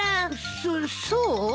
そそう。